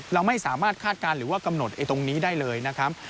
เราไม่สามารถคาดการณ์หรือว่ากำหนดตรงนี้ได้เลยนะครับ